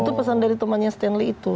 itu pesan dari temannya stanley itu